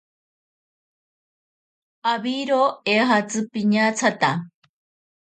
Awiro eejatzi piñatsata.